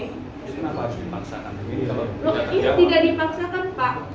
ini tidak dipaksakan pak